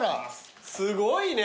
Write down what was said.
すごいね。